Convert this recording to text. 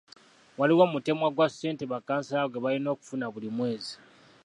Waliwo omutemwa gwa ssente ba kansala gwe balina okufuna buli mwezi.